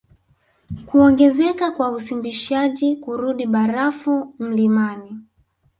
Kuongezeka kwa usimbishaji kurudi barafu mlimani